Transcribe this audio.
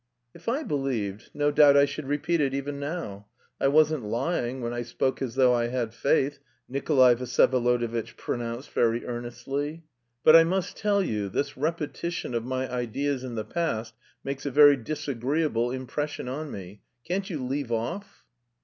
"If I believed, no doubt I should repeat it even now. I wasn't lying when I spoke as though I had faith," Nikolay Vsyevolodovitch pronounced very earnestly. "But I must tell you, this repetition of my ideas in the past makes a very disagreeable impression on me. Can't you leave off?"